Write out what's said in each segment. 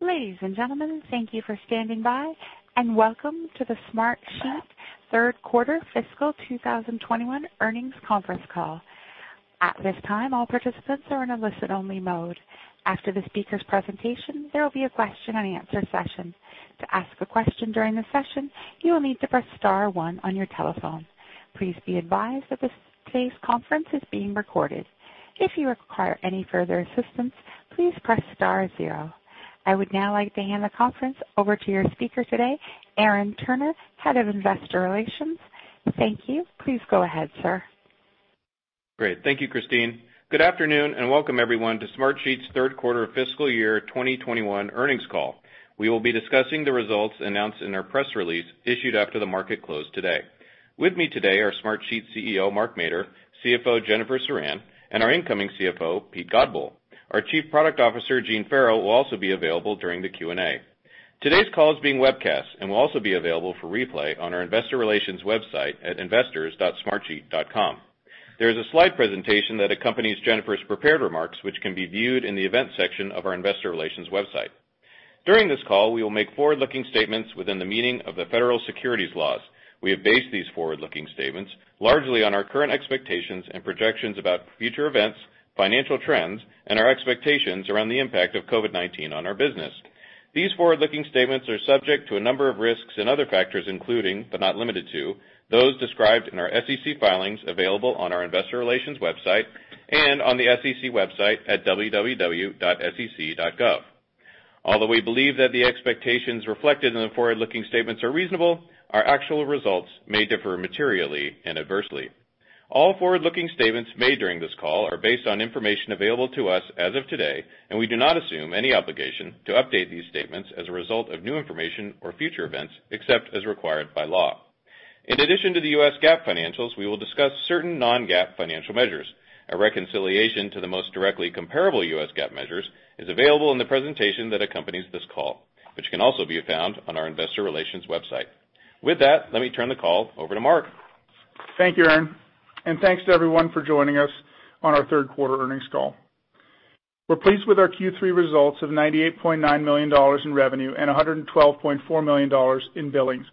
Ladies and gentlemen, thank you for standing by, welcome to the Smartsheet Third Quarter Fiscal 2021 Earnings Conference Call. At this time, all participants are in a listen-only mode. After the speakers' presentation, there will be a question and answer session. To ask a question during the session, you will need to press star one on your telephone. Please be advised that this today's conference is being recorded. If you require any further assistance, please press star zero. I would now like to hand the conference over to your speaker today, Aaron Turner, Head of Investor Relations. Thank you. Please go ahead, sir. Great. Thank you, Christine. Good afternoon, and welcome everyone to Smartsheet's third quarter fiscal year 2021 earnings call. We will be discussing the results announced in our press release issued after the market closed today. With me today are Smartsheet CEO, Mark Mader, CFO, Jennifer Ceran, and our incoming CFO, Pete Godbole. Our Chief Product Officer, Gene Farrell, will also be available during the Q&A. Today's call is being webcast and will also be available for replay on our investor relations website at investors.smartsheet.com. There is a slide presentation that accompanies Jennifer's prepared remarks, which can be viewed in the event section of our investor relations website. During this call, we will make forward-looking statements within the meaning of the federal securities laws. We have based these forward-looking statements largely on our current expectations and projections about future events, financial trends, and our expectations around the impact of COVID-19 on our business. These forward-looking statements are subject to a number of risks and other factors, including, but not limited to, those described in our SEC filings available on our investor relations website and on the SEC website at www.sec.gov. Although we believe that the expectations reflected in the forward-looking statements are reasonable, our actual results may differ materially and adversely. All forward-looking statements made during this call are based on information available to us as of today, and we do not assume any obligation to update these statements as a result of new information or future events, except as required by law. In addition to the US GAAP financials, we will discuss certain non-GAAP financial measures. A reconciliation to the most directly comparable US GAAP measures is available in the presentation that accompanies this call, which can also be found on our investor relations website. With that, let me turn the call over to Mark. Thank you, Aaron, and thanks to everyone for joining us on our third quarter earnings call. We're pleased with our Q3 results of $98.9 million in revenue and $112.4 million in billings.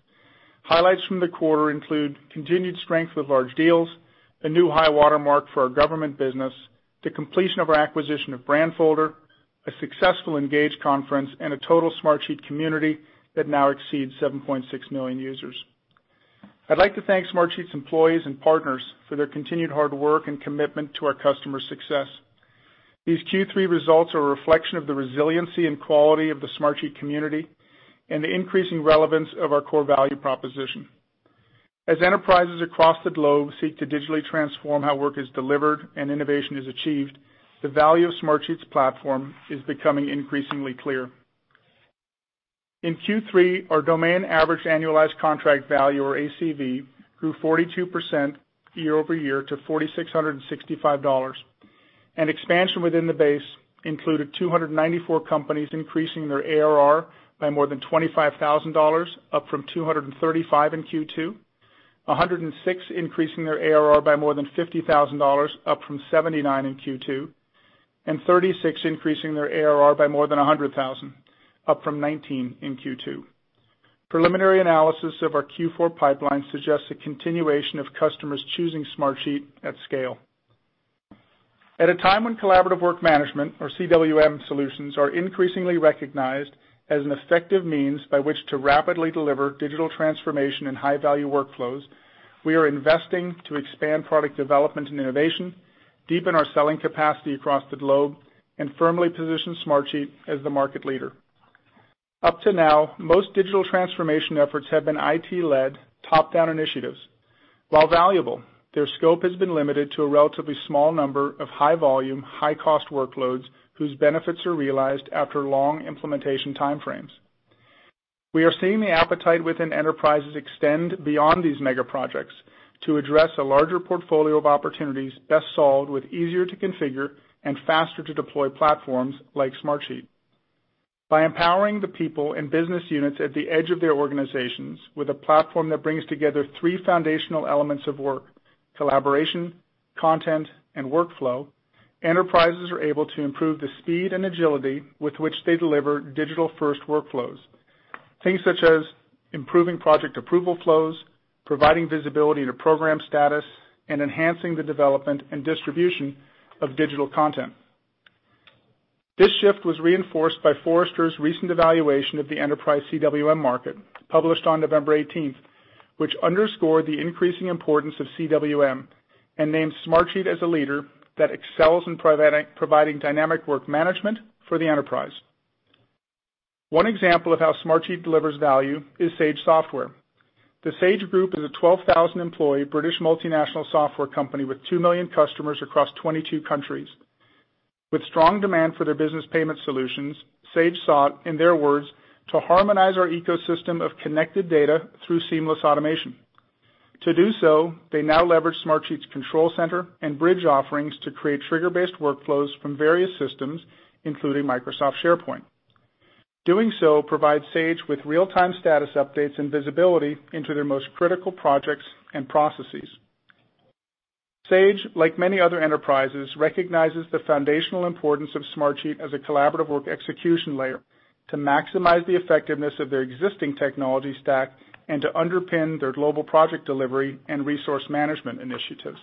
Highlights from the quarter include continued strength with large deals, a new high watermark for our government business, the completion of our acquisition of Brandfolder, a successful ENGAGE conference, and a total Smartsheet community that now exceeds 7.6 million users. I'd like to thank Smartsheet's employees and partners for their continued hard work and commitment to our customers' success. These Q3 results are a reflection of the resiliency and quality of the Smartsheet community and the increasing relevance of our core value proposition. As enterprises across the globe seek to digitally transform how work is delivered and innovation is achieved, the value of Smartsheet's platform is becoming increasingly clear. In Q3, our domain average annualized contract value, or ACV, grew 42% year-over-year to $4,665. Expansion within the base included 294 companies increasing their ARR by more than $25,000, up from 235 in Q2. 106 increasing their ARR by more than $50,000, up from 79 in Q2. 36 increasing their ARR by more than $100,000, up from 19 in Q2. Preliminary analysis of our Q4 pipeline suggests a continuation of customers choosing Smartsheet at scale. At a time when collaborative work management or CWM solutions are increasingly recognized as an effective means by which to rapidly deliver digital transformation and high-value workflows, we are investing to expand product development and innovation, deepen our selling capacity across the globe, and firmly position Smartsheet as the market leader. Up to now, most digital transformation efforts have been IT-led, top-down initiatives. While valuable, their scope has been limited to a relatively small number of high-volume, high-cost workloads, whose benefits are realized after long implementation timeframes. We are seeing the appetite within enterprises extend beyond these mega projects to address a larger portfolio of opportunities best solved with easier-to-configure and faster-to-deploy platforms like Smartsheet. By empowering the people and business units at the edge of their organizations with a platform that brings together three foundational elements of work, collaboration, content, and workflow, enterprises are able to improve the speed and agility with which they deliver digital-first workflows. Things such as improving project approval flows, providing visibility to program status, and enhancing the development and distribution of digital content. This shift was reinforced by Forrester's recent evaluation of the enterprise CWM market, published on November 18th, which underscored the increasing importance of CWM and named Smartsheet as a leader that excels in providing dynamic work management for the enterprise. One example of how Smartsheet delivers value is Sage Software. The Sage Group is a 12,000-employee British multinational software company with 2 million customers across 22 countries. With strong demand for their business payment solutions, Sage sought, in their words, "To harmonize our ecosystem of connected data through seamless automation." To do so, they now leverage Smartsheet's Control Center and Bridge offerings to create trigger-based workflows from various systems, including Microsoft SharePoint. Doing so provides Sage with real-time status updates and visibility into their most critical projects and processes. Sage, like many other enterprises, recognizes the foundational importance of Smartsheet as a collaborative work execution layer to maximize the effectiveness of their existing technology stack and to underpin their global project delivery and resource management initiatives.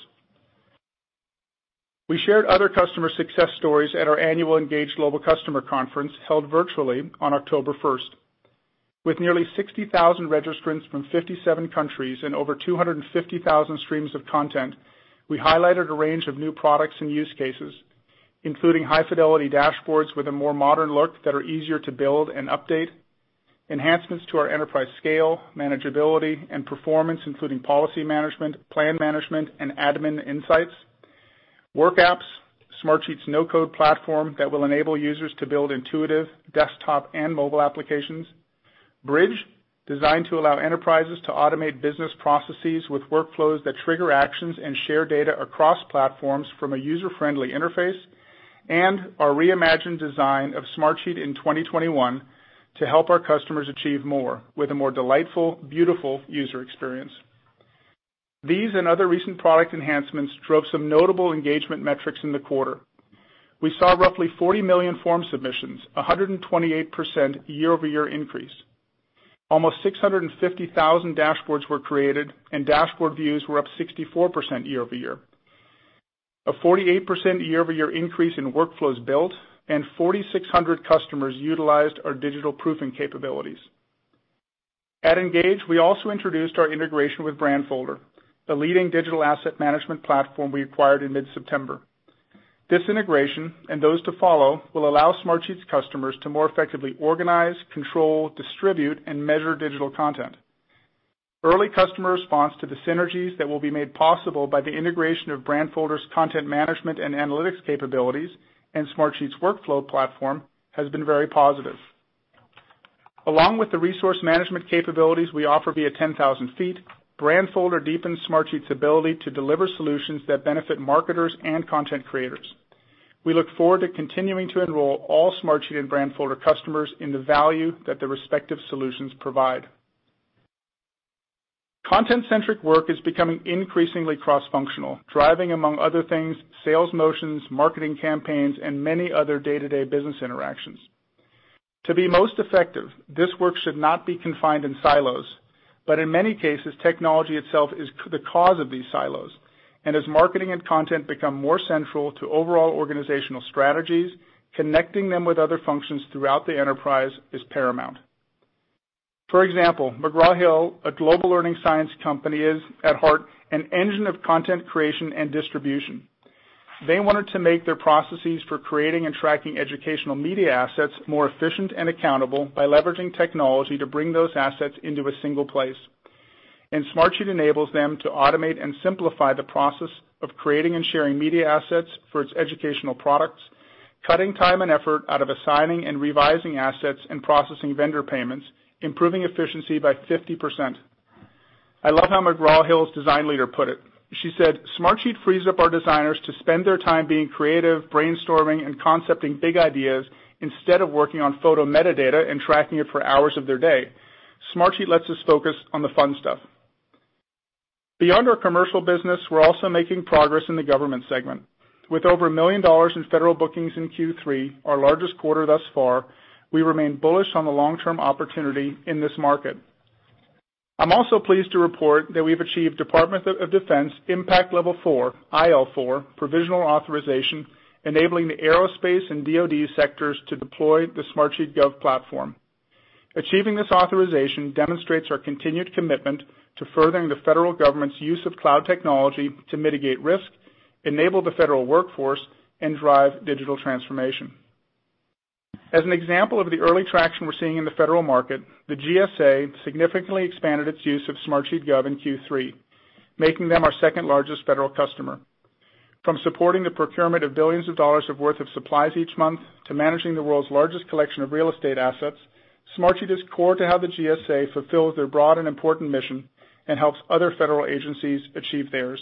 We shared other customer success stories at our annual ENGAGE global customer conference, held virtually on October 1st. With nearly 60,000 registrants from 57 countries and over 250,000 streams of content, we highlighted a range of new products and use cases, including high-fidelity dashboards with a more modern look that are easier to build and update, enhancements to our enterprise scale, manageability, and performance, including policy management, plan management, and admin insights, WorkApps, Smartsheet's no-code platform that will enable users to build intuitive desktop and mobile applications. Bridge, designed to allow enterprises to automate business processes with workflows that trigger actions and share data across platforms from a user-friendly interface. Our reimagined design of Smartsheet in 2021 to help our customers achieve more with a more delightful, beautiful user experience. These and other recent product enhancements drove some notable engagement metrics in the quarter. We saw roughly 40 million form submissions, 128% year-over-year increase. Almost 650,000 dashboards were created, and dashboard views were up 64% year-over-year. A 48% year-over-year increase in workflows built, and 4,600 customers utilized our digital proofing capabilities. At ENGAGE, we also introduced our integration with Brandfolder, the leading digital asset management platform we acquired in mid-September. This integration, and those to follow, will allow Smartsheet's customers to more effectively organize, control, distribute, and measure digital content. Early customer response to the synergies that will be made possible by the integration of Brandfolder's content management and analytics capabilities and Smartsheet's workflow platform has been very positive. Along with the resource management capabilities we offer via 10,000ft, Brandfolder deepens Smartsheet's ability to deliver solutions that benefit marketers and content creators. We look forward to continuing to enroll all Smartsheet and Brandfolder customers in the value that the respective solutions provide. Content-centric work is becoming increasingly cross-functional, driving, among other things, sales motions, marketing campaigns, and many other day-to-day business interactions. To be most effective, this work should not be confined in silos, but in many cases, technology itself is the cause of these silos. As marketing and content become more central to overall organizational strategies, connecting them with other functions throughout the enterprise is paramount. For example, McGraw Hill, a global learning science company, is at heart an engine of content creation and distribution. They wanted to make their processes for creating and tracking educational media assets more efficient and accountable by leveraging technology to bring those assets into a single place. Smartsheet enables them to automate and simplify the process of creating and sharing media assets for its educational products, cutting time and effort out of assigning and revising assets and processing vendor payments, improving efficiency by 50%. I love how McGraw Hill's design leader put it. She said, "Smartsheet frees up our designers to spend their time being creative, brainstorming, and concepting big ideas instead of working on photo metadata and tracking it for hours of their day. Smartsheet lets us focus on the fun stuff." Beyond our commercial business, we're also making progress in the government segment. With over $1 million in federal bookings in Q3, our largest quarter thus far, we remain bullish on the long-term opportunity in this market. I'm also pleased to report that we've achieved Department of Defense Impact Level IV, IL4, provisional authorization, enabling the aerospace and DoD sectors to deploy the Smartsheet Gov platform. Achieving this authorization demonstrates our continued commitment to furthering the federal government's use of cloud technology to mitigate risk, enable the federal workforce, and drive digital transformation. As an example of the early traction we're seeing in the federal market, the GSA significantly expanded its use of Smartsheet Gov in Q3, making them our second-largest federal customer. From supporting the procurement of billions of dollars of worth of supplies each month to managing the world's largest collection of real estate assets, Smartsheet is core to how the GSA fulfills their broad and important mission and helps other federal agencies achieve theirs.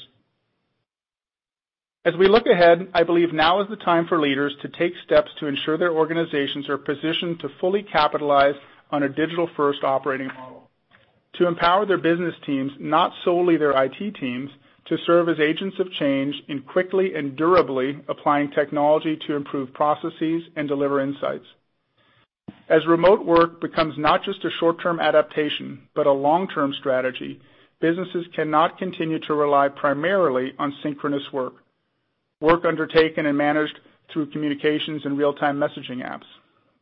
As we look ahead, I believe now is the time for leaders to take steps to ensure their organizations are positioned to fully capitalize on a digital-first operating model. To empower their business teams, not solely their IT teams, to serve as agents of change in quickly and durably applying technology to improve processes and deliver insights. As remote work becomes not just a short-term adaptation, but a long-term strategy, businesses cannot continue to rely primarily on synchronous work undertaken and managed through communications and real-time messaging apps.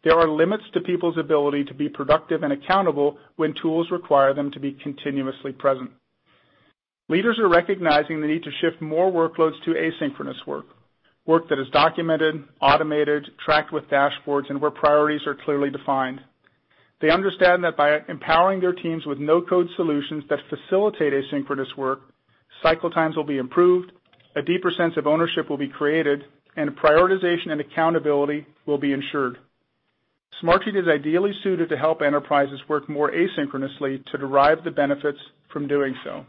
There are limits to people's ability to be productive and accountable when tools require them to be continuously present. Leaders are recognizing the need to shift more workloads to asynchronous work that is documented, automated, tracked with dashboards, and where priorities are clearly defined. They understand that by empowering their teams with no-code solutions that facilitate asynchronous work, cycle times will be improved, a deeper sense of ownership will be created, and prioritization and accountability will be ensured. Smartsheet is ideally suited to help enterprises work more asynchronously to derive the benefits from doing so.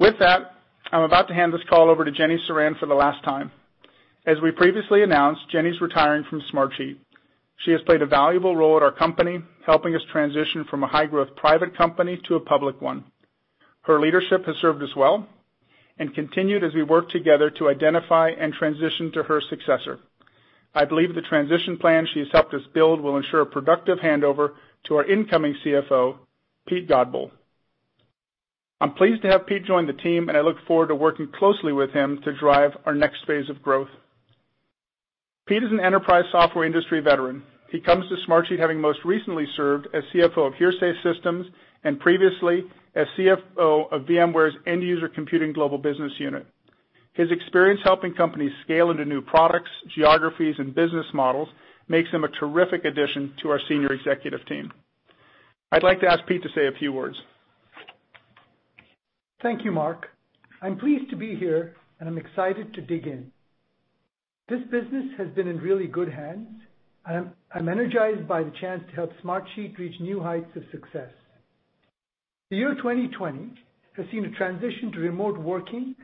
With that, I am about to hand this call over to Jenny Ceran for the last time. As we previously announced, Jenny is retiring from Smartsheet. She has played a valuable role at our company, helping us transition from a high-growth private company to a public one. Her leadership has served us well and continued as we work together to identify and transition to her successor. I believe the transition plan she has helped us build will ensure a productive handover to our incoming CFO, Pete Godbole. I'm pleased to have Pete join the team, and I look forward to working closely with him to drive our next phase of growth. Pete is an enterprise software industry veteran. He comes to Smartsheet having most recently served as CFO of Hearsay Systems and previously as CFO of VMware's End-User Computing Global Business Unit. His experience helping companies scale into new products, geographies, and business models makes him a terrific addition to our senior executive team. I'd like to ask Pete to say a few words. Thank you, Mark. I'm pleased to be here, and I'm excited to dig in. This business has been in really good hands. I'm energized by the chance to help Smartsheet reach new heights of success. The year 2020 has seen a transition to remote working,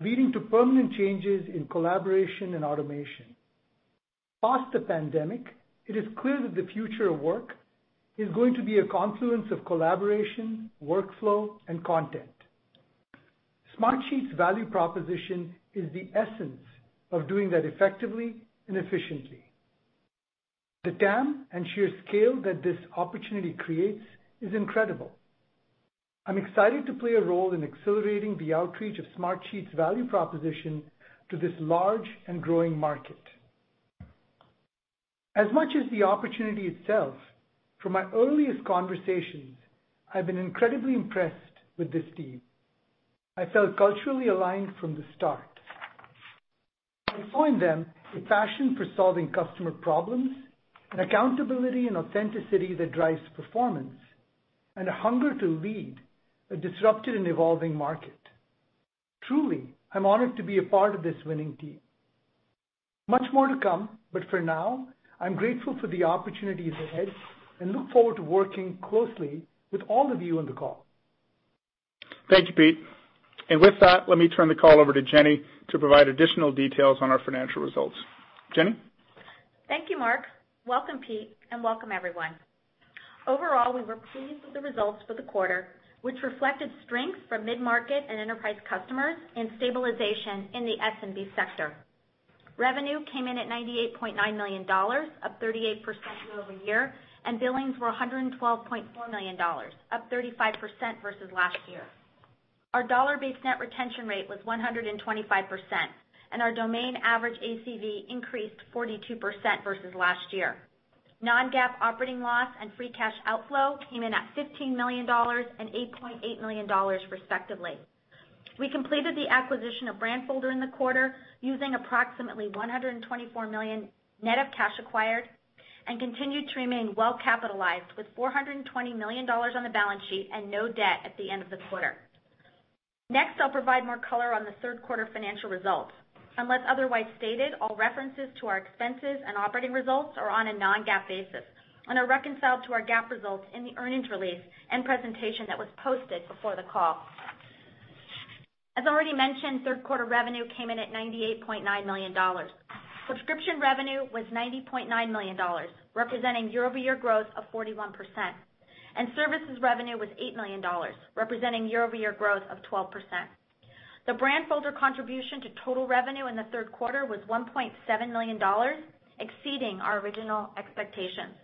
leading to permanent changes in collaboration and automation. Past the pandemic, it is clear that the future of work is going to be a confluence of collaboration, workflow, and content. Smartsheet's value proposition is the essence of doing that effectively and efficiently. The TAM and sheer scale that this opportunity creates is incredible. I'm excited to play a role in accelerating the outreach of Smartsheet's value proposition to this large and growing market. As much as the opportunity itself, from my earliest conversations, I've been incredibly impressed with this team. I felt culturally aligned from the start. I find in them a passion for solving customer problems, an accountability and authenticity that drives performance, and a hunger to lead a disrupted and evolving market. Truly, I'm honored to be a part of this winning team. Much more to come, but for now, I'm grateful for the opportunities ahead and look forward to working closely with all of you on the call. Thank you, Pete. With that, let me turn the call over to Jenny to provide additional details on our financial results. Jenny? Thank you, Mark. Welcome, Pete, and welcome, everyone. Overall, we were pleased with the results for the quarter, which reflected strength from mid-market and enterprise customers and stabilization in the SMB sector. Revenue came in at $98.9 million, up 38% year-over-year, and billings were $112.4 million, up 35% versus last year. Our dollar-based net retention rate was 125%, and our domain average ACV increased 42% versus last year. Non-GAAP operating loss and free cash outflow came in at $15 million and $8.8 million, respectively. We completed the acquisition of Brandfolder in the quarter, using approximately $124 million net of cash acquired and continued to remain well-capitalized with $420 million on the balance sheet and no debt at the end of the quarter. Next, I'll provide more color on the third-quarter financial results. Unless otherwise stated, all references to our expenses and operating results are on a non-GAAP basis and are reconciled to our GAAP results in the earnings release and presentation that was posted before the call. As already mentioned, third quarter revenue came in at $98.9 million. Subscription revenue was $90.9 million, representing year-over-year growth of 41%, and services revenue was $8 million, representing year-over-year growth of 12%. The Brandfolder contribution to total revenue in the third quarter was $1.7 million, exceeding our original expectations.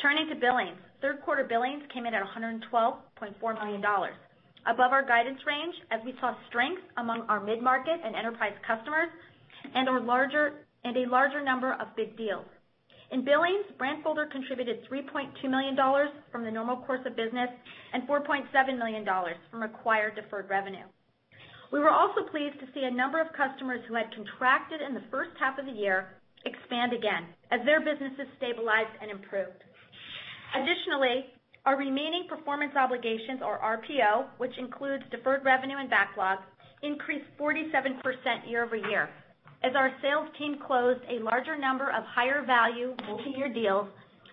Turning to billings. Third quarter billings came in at $112.4 million, above our guidance range as we saw strength among our mid-market and enterprise customers and a larger number of big deals. In billings, Brandfolder contributed $3.2 million from the normal course of business and $4.7 million from acquired deferred revenue. We were also pleased to see a number of customers who had contracted in the first half of the year expand again as their businesses stabilized and improved. Our remaining performance obligations or RPO, which includes deferred revenue and backlog, increased 47% year-over-year as our sales team closed a larger number of higher-value multi-year deals,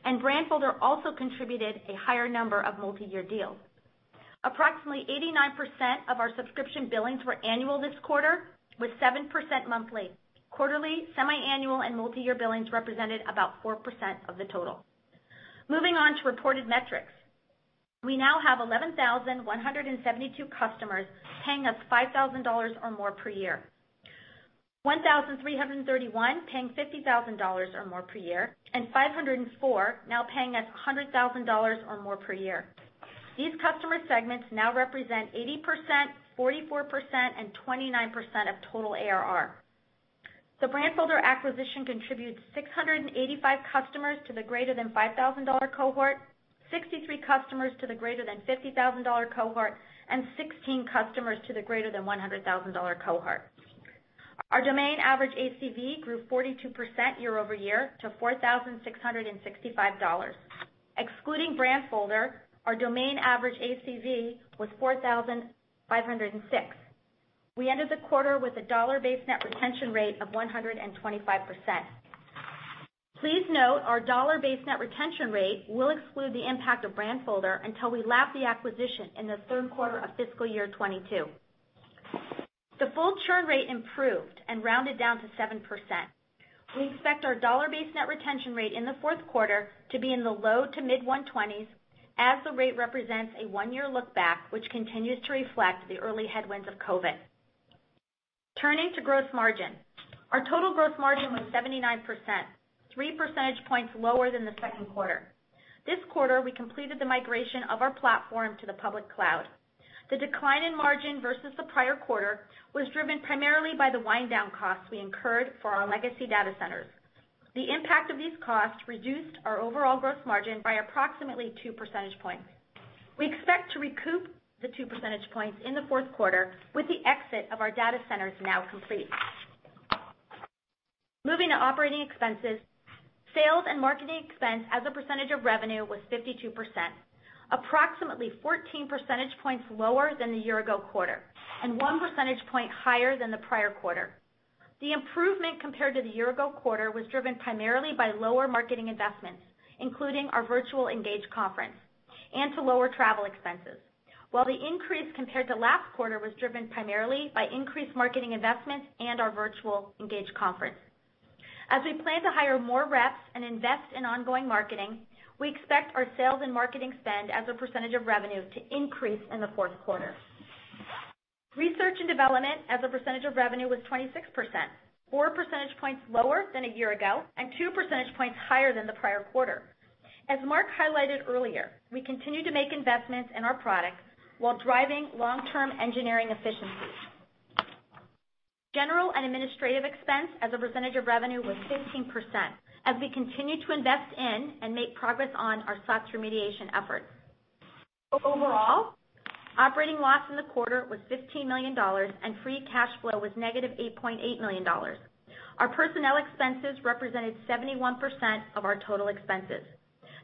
and Brandfolder also contributed a higher number of multi-year deals. Approximately 89% of our subscription billings were annual this quarter, with 7% monthly. Quarterly, semi-annual, and multi-year billings represented about 4% of the total. Moving on to reported metrics. We now have 11,172 customers paying us $5,000 or more per year, 1,331 paying $50,000 or more per year, and 504 now paying us $100,000 or more per year. These customer segments now represent 80%, 44%, and 29% of total ARR. The Brandfolder acquisition contributes 685 customers to the greater than $5,000 cohort, 63 customers to the greater than $50,000 cohort, and 16 customers to the greater than $100,000 cohort. Our domain average ACV grew 42% year-over-year to $4,665. Excluding Brandfolder, our domain average ACV was $4,506. We ended the quarter with a dollar-based net retention rate of 125%. Please note our dollar-based net retention rate will exclude the impact of Brandfolder until we lap the acquisition in the third quarter of fiscal year 2022. The full churn rate improved and rounded down to 7%. We expect our dollar-based net retention rate in the fourth quarter to be in the low to mid 120s, as the rate represents a one-year look back, which continues to reflect the early headwinds of COVID. Turning to gross margin. Our total gross margin was 79%, three percentage points lower than the second quarter. This quarter, we completed the migration of our platform to the public cloud. The decline in margin versus the prior quarter was driven primarily by the wind-down costs we incurred for our legacy data centers. The impact of these costs reduced our overall gross margin by approximately two percentage points. We expect to recoup the two percentage points in the fourth quarter with the exit of our data centers now complete. Moving to operating expenses. Sales and marketing expense as a percentage of revenue was 52%, approximately 14 percentage points lower than the year ago quarter, and one percentage point higher than the prior quarter. The improvement compared to the year ago quarter was driven primarily by lower marketing investments, including our virtual ENGAGE conference, and to lower travel expenses. The increase compared to last quarter was driven primarily by increased marketing investments and our virtual ENGAGE conference. As we plan to hire more reps and invest in ongoing marketing, we expect our sales and marketing spend as a percentage of revenue to increase in the fourth quarter. Research and development as a percentage of revenue was 26%, four percentage points lower than a year ago and two percentage points higher than the prior quarter. As Mark highlighted earlier, we continue to make investments in our products while driving long-term engineering efficiencies. General and administrative expense as a percentage of revenue was 15% as we continue to invest in and make progress on our SOX remediation efforts. Overall, operating loss in the quarter was $15 million, and free cash flow was negative $8.8 million. Our personnel expenses represented 71% of our total expenses.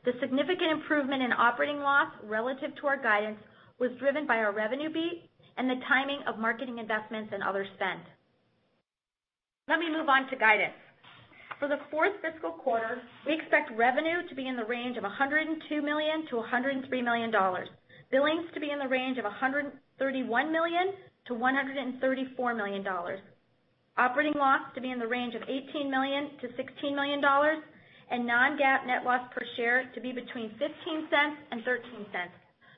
The significant improvement in operating loss relative to our guidance was driven by our revenue beat and the timing of marketing investments and other spend. Let me move on to guidance. For the fourth fiscal quarter, we expect revenue to be in the range of $102 million-$103 million, billings to be in the range of $131 million-$134 million, operating loss to be in the range of $18 million-$16 million, and non-GAAP net loss per share to be between $0.15 and $0.13,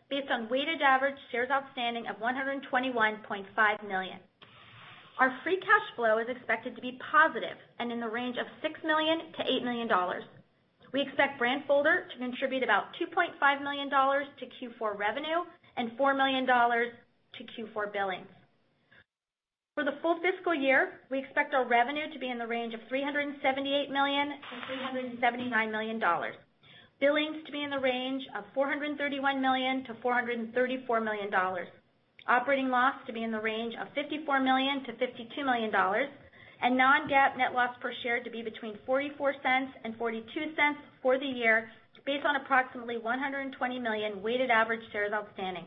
based on weighted average shares outstanding of 121.5 million. Our free cash flow is expected to be positive and in the range of $6 million-$8 million. We expect Brandfolder to contribute about $2.5 million to Q4 revenue and $4 million to Q4 billings. For the full fiscal year, we expect our revenue to be in the range of $378 million-$379 million, billings to be in the range of $431 million-$434 million, operating loss to be in the range of $54 million-$52 million, and non-GAAP net loss per share to be between $0.44 and $0.42 for the year based on approximately 120 million weighted average shares outstanding.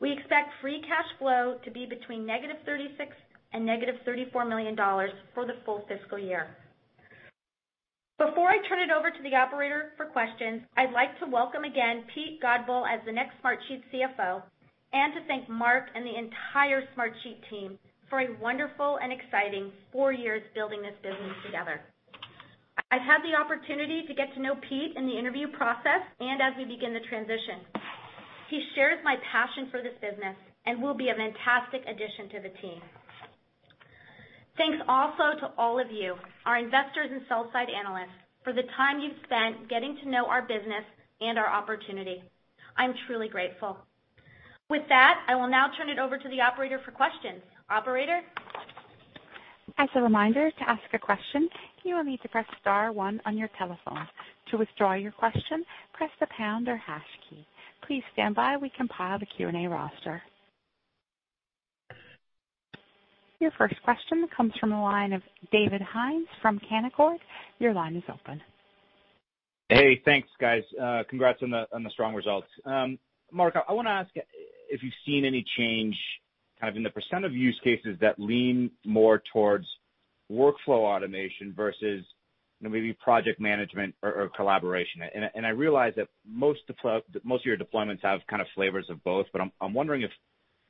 We expect free cash flow to be between negative $36 million and negative $34 million for the full fiscal year. Before I turn it over to the operator for questions, I'd like to welcome again Pete Godbole as the next Smartsheet CFO and to thank Mark and the entire Smartsheet team for a wonderful and exciting four years building this business together. I've had the opportunity to get to know Pete in the interview process and as we begin the transition. He shares my passion for this business and will be a fantastic addition to the team. Thanks also to all of you, our investors and sell-side analysts, for the time you've spent getting to know our business and our opportunity. I'm truly grateful. With that, I will now turn it over to the operator for questions. Operator? Your first question comes from the line of David Hynes from Canaccord. Your line is open. Hey, thanks, guys. Congrats on the strong results. Mark, I want to ask if you've seen any change in the % of use cases that lean more towards workflow automation versus maybe project management or collaboration. I realize that most of your deployments have kind of flavors of both, but I'm wondering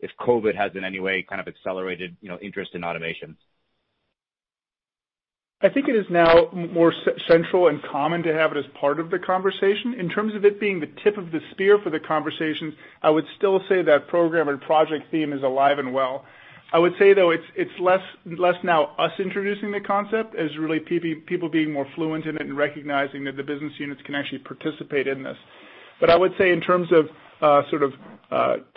if COVID has in any way kind of accelerated interest in automation. I think it is now more central and common to have it as part of the conversation. In terms of it being the tip of the spear for the conversation, I would still say that program and project theme is alive and well. I would say, though, it's less now us introducing the concept as really people being more fluent in it and recognizing that the business units can actually participate in this. I would say in terms of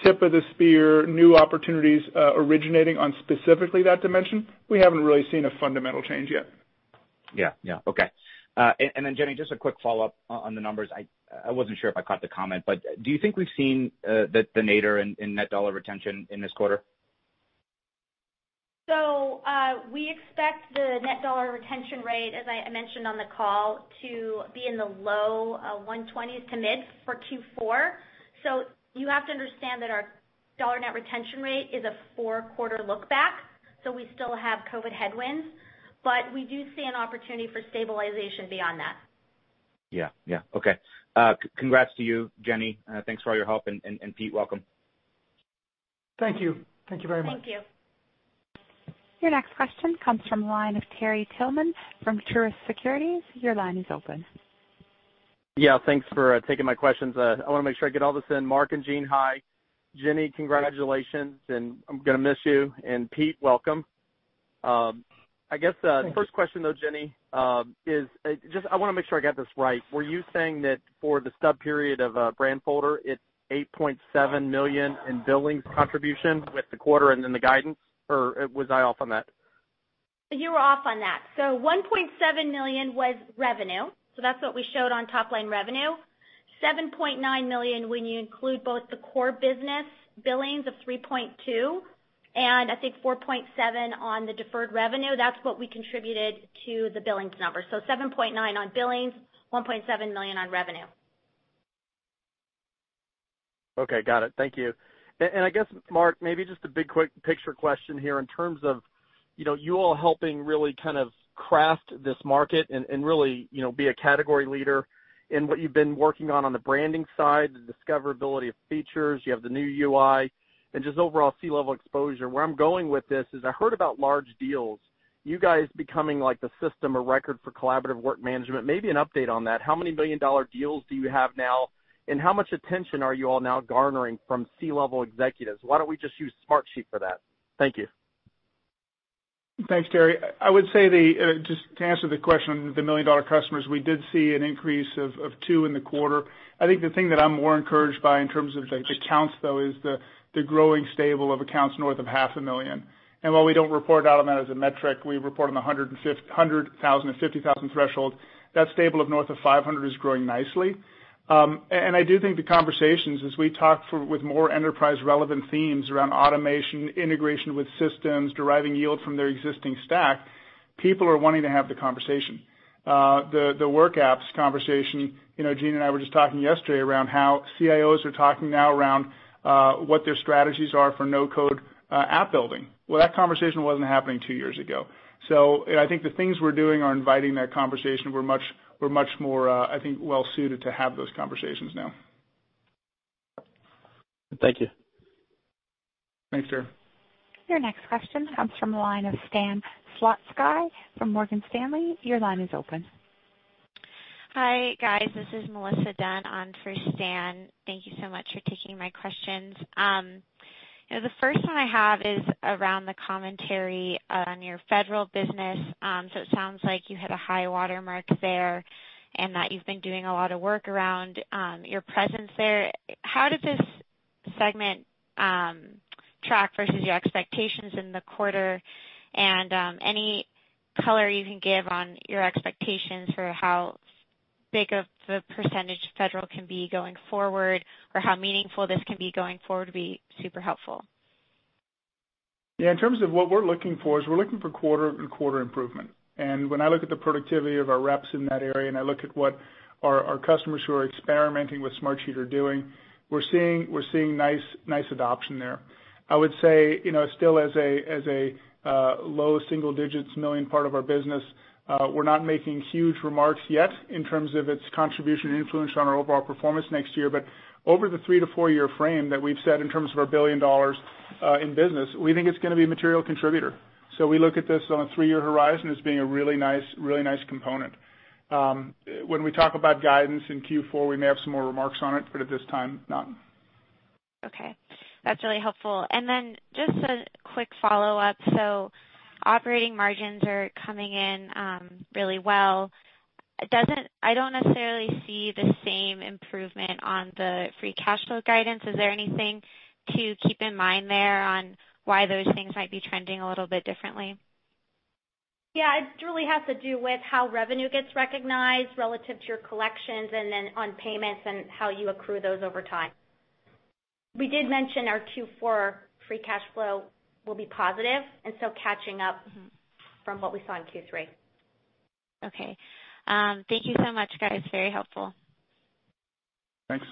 tip-of-the-spear new opportunities originating on specifically that dimension, we haven't really seen a fundamental change yet. Yeah. Okay. Jenny, just a quick follow-up on the numbers. I wasn't sure if I caught the comment, do you think we've seen the nadir in net dollar retention in this quarter? We expect the net dollar retention rate, as I mentioned on the call, to be in the low 120s to mid for Q4. You have to understand that our dollar net retention rate is a four-quarter look back. We still have COVID headwinds, but we do see an opportunity for stabilization beyond that. Yeah. Okay. Congrats to you, Jenny. Thanks for all your help. Pete, welcome. Thank you. Thank you very much. Thank you. Your next question comes from the line of Terry Tillman from Truist Securities. Your line is open. Yeah. Thanks for taking my questions. I want to make sure I get all this in. Mark and Gene, hi. Jenny, congratulations, and I'm going to miss you. Pete, welcome. I guess the first question though, Jenny, is I want to make sure I got this right. Were you saying that for the stub period of Brandfolder, it's $8.7 million in billings contribution with the quarter and then the guidance, or was I off on that? You were off on that. $1.7 million was revenue. That's what we showed on top-line revenue. $7.9 million when you include both the core business billings of $3.2 and I think $4.7 on the deferred revenue. That's what we contributed to the billings number. $7.9 on billings, $1.7 million on revenue. Okay, got it. Thank you. I guess, Mark, maybe just a big quick picture question here in terms of you all helping really kind of craft this market and really be a category leader in what you've been working on the branding side, the discoverability of features. You have the new UI, and just overall C-level exposure. Where I'm going with this is I heard about large deals, you guys becoming like the system of record for collaborative work management. Maybe an update on that. How many million dollar deals do you have now, and how much attention are you all now garnering from C-level executives? Why don't we just use Smartsheet for that? Thank you. Thanks, Terry. I would say just to answer the question on the million-dollar customers, we did see an increase of two in the quarter. I think the thing that I'm more encouraged by in terms of the counts, though, is the growing stable of accounts north of half a million. While we don't report out on that as a metric, we report on the 100,000 and 50,000 threshold. That stable of north of 500 is growing nicely. I do think the conversations as we talk with more enterprise relevant themes around automation, integration with systems, deriving yield from their existing stack, people are wanting to have the conversation. The WorkApps conversation, Gene and I were just talking yesterday around how CIOs are talking now around what their strategies are for no-code app building. Well, that conversation wasn't happening two years ago. I think the things we're doing are inviting that conversation. We're much more, I think, well-suited to have those conversations now. Thank you. Thanks, Terry. Your next question comes from the line of Stan Zlotsky from Morgan Stanley. Your line is open. Hi, guys. This is Melissa Dunn on for Stan. Thank you so much for taking my questions. The first one I have is around the commentary on your federal business. It sounds like you hit a high watermark there, and that you've been doing a lot of work around your presence there. How did this segment track versus your expectations in the quarter? Any color you can give on your expectations for how big of a percentage federal can be going forward, or how meaningful this can be going forward would be super helpful. Yeah. In terms of what we're looking for is we're looking for quarter-over-quarter improvement. When I look at the productivity of our reps in that area, and I look at what our customers who are experimenting with Smartsheet are doing, we're seeing nice adoption there. I would say, still as a low single-digit million part of our business, we're not making huge remarks yet in terms of its contribution and influence on our overall performance next year. Over the three to four-year frame that we've set in terms of our billion dollars in business, we think it's going to be a material contributor. We look at this on a three-year horizon as being a really nice component. When we talk about guidance in Q4, we may have some more remarks on it, but at this time, none. That's really helpful. Just a quick follow-up. Operating margins are coming in really well. I don't necessarily see the same improvement on the free cash flow guidance. Is there anything to keep in mind there on why those things might be trending a little bit differently? It really has to do with how revenue gets recognized relative to your collections and then on payments and how you accrue those over time. We did mention our Q4 free cash flow will be positive, catching up from what we saw in Q3. Okay. Thank you so much, guys. Very helpful. Thanks.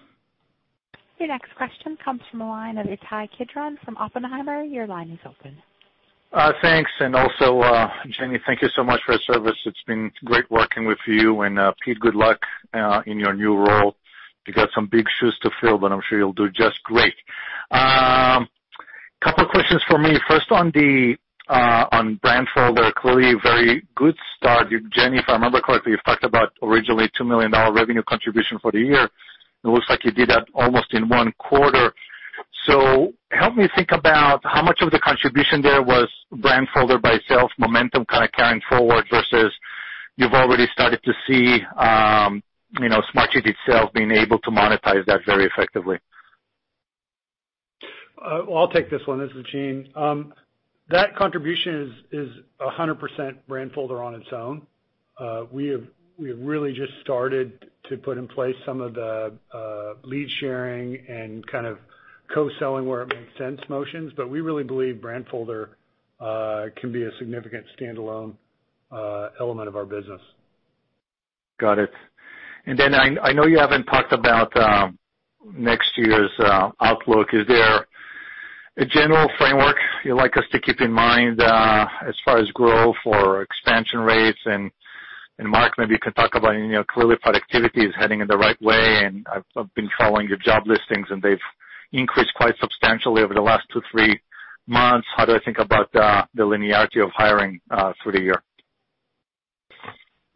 Your next question comes from the line of Ittai Kidron from Oppenheimer. Your line is open. Thanks. Also, Jenny, thank you so much for your service. It's been great working with you. Pete, good luck in your new role. You got some big shoes to fill, but I'm sure you'll do just great. Couple questions for me. First on Brandfolder, clearly a very good start. Jenny, if I remember correctly, you talked about originally $2 million revenue contribution for the year. It looks like you did that almost in one quarter. Help me think about how much of the contribution there was Brandfolder by itself, momentum kind of carrying forward versus you've already started to see Smartsheet itself being able to monetize that very effectively. I'll take this one. This is Gene. That contribution is 100% Brandfolder on its own. We have really just started to put in place some of the lead sharing and kind of co-selling where it makes sense motions. We really believe Brandfolder can be a significant standalone element of our business. Got it. I know you haven't talked about next year's outlook. Is there a general framework you'd like us to keep in mind, as far as growth or expansion rates? Mark, maybe you can talk about, clearly productivity is heading in the right way, I've been following your job listings, and they've increased quite substantially over the last two, three months. How do I think about the linearity of hiring, through the year?